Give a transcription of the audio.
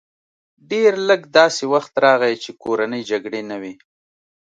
ډېر لږ داسې وخت راغی چې کورنۍ جګړې نه وې